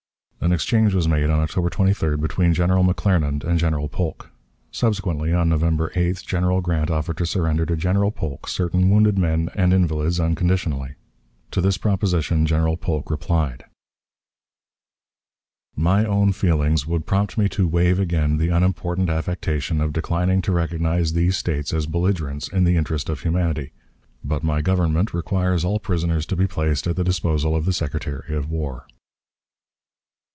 An exchange was made on October 23d between General McClernand and General Polk. Subsequently, on November 8th, General Grant offered to surrender to General Polk certain wounded men and invalids unconditionally. To this proposition General Polk replied: "My own feelings would prompt me to waive again the unimportant affectation of declining to recognize these States as belligerents in the interest of humanity; but my Government requires all prisoners to be placed at the disposal of the Secretary Of War."